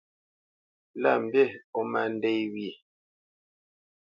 Lâ mbî ó má ndê wyê.